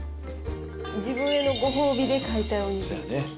自分へのご褒美で買いたいおにぎり。